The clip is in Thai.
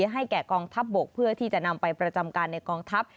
ให้แก่กองทัพบกเพื่อที่จะนำไปประจำการในกองทัพ